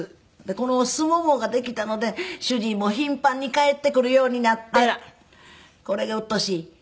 このすももができたので主人も頻繁に帰ってくるようになってこれがうっとうしい。